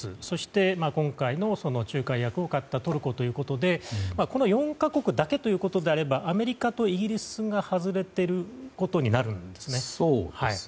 そして、今回の仲介役を買ったトルコということでこの４か国だけであればアメリカとイギリスが外れていることになるんですね。